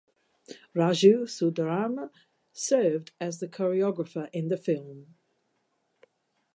Raju Sundaram served as the choreographer in the film.